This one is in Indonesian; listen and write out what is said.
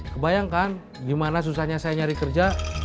kebayangkan gimana susahnya saya nyari kerja